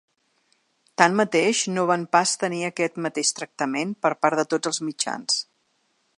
Tanmateix, no van pas tenir aquest mateix tractament per part de tots els mitjans.